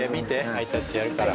ハイタッチやるから。